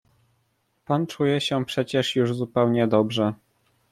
"Pan czuje się przecież już zupełnie dobrze."